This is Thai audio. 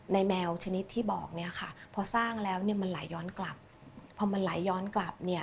ในแมวชนิดที่บอกพอสร้างแล้วมันไหลย้อนกลับ